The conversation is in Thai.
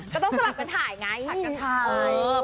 ก็ต้องสลับกันถ่ายไงผลัดกันถ่าย